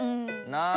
なあ。